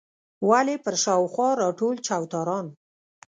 ولې پر شا او خوا راټول چوتاران.